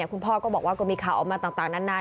คุณพ่อก็บอกว่าก็มีข่าวออกมาต่างนาน